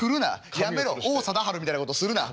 やめろ王貞治みたいなことするな。